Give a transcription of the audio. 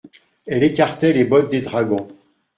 Elles écartaient les bottes des dragons.